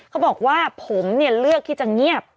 เขาบอกว่าผมเนี่ยเลือกที่จะเงียบ